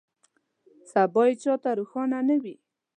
سبا یې چا ته روښانه نه وي.